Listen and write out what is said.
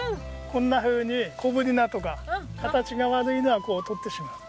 こんなふうに小ぶりなとか形が悪いのはとってしまう。